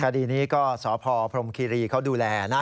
คดีนี้ก็สพพรมคีรีเขาดูแลนะ